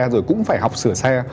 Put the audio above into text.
rồi cũng phải học sửa xe